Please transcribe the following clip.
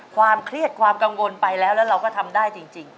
ความเครียดความกังวลไปแล้วแล้วเราก็ทำได้จริง